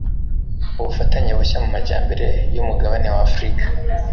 ubufatanye bushya mu majyambere y'umugabane w'afurika